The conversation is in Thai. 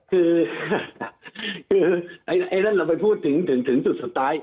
คือเราไปพูดถึงสุดสุดท้าย